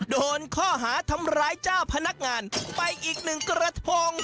โดนข้อหาทำร้ายเจ้าพนักงานไปอีกหนึ่งกระทง